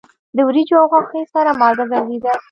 د وریجو او غوښې سره مالګه ضروری ده.